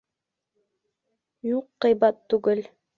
Юҡ ҡыйбат түгел